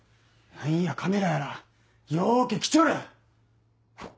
何やカメラやらようけ来ちょる！